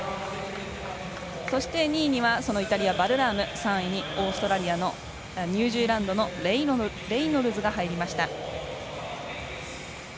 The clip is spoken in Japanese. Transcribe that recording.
そして２位にはイタリア、バルラーム３位にニュージーランドのレイノルズが入りました。